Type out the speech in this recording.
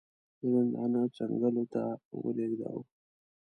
د ژوندانه څنګلو ته ولېږداوه.